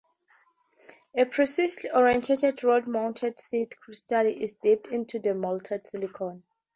A precisely oriented rod-mounted seed crystal is dipped into the molten silicon.